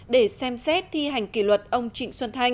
để xem xét thi hành kỷ luật ông trịnh xuân thanh